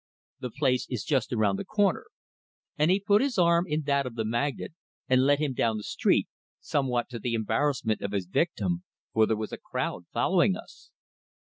The place is just around the corner." And he put his arm in that of the magnate, and led him down the street somewhat to the embarrassment of his victim, for there was a crowd following us.